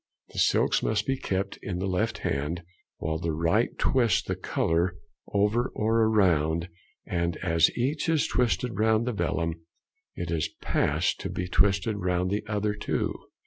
The silks must be kept in the left hand, while the right twists the colour over or round, and as each is twisted round the vellum it is passed to be twisted round the other two.